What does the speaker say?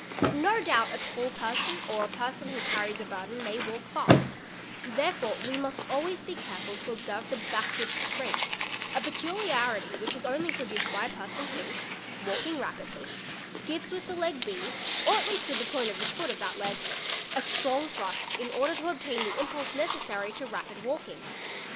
No doubt a tall person or a person who carries a burden may walk fast; there f re we must always be careful to observe the '' backward scrape'', sculiarity which is only produced by a person who, walking enue ¥" ves with the leg B, or at least with the point of the foot of that leg, a rong thrust in order to obtain the impulse necessary to rapid walking.